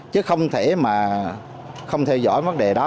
chứ không thể mà không theo dõi vấn đề đó